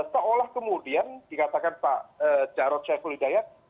seolah kemudian dikatakan pak jarod syafridayak